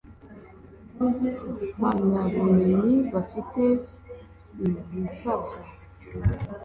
mpamyabumenyi bafite n izisabwa